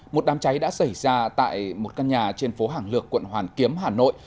một đám cháy đã xảy ra tại một căn nhà trên phố hàng lược quận hoàn kiếm hà nội